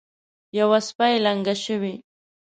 یوه سپۍ لنګه شوې.